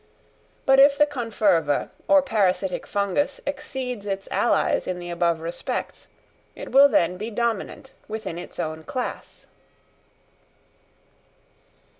But if the conferva or parasitic fungus exceeds its allies in the above respects, it will then be dominant within its own class.